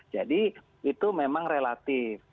jadi itu memang relatif